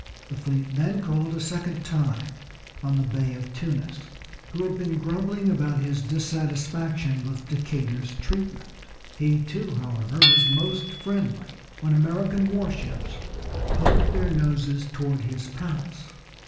The fleet then called a second time on the Bey of Tunis, who had been grumbling about his dissatisfaction with Decatur's treatment. He too, however, was most friendly when American war ships poked their noses toward his palace.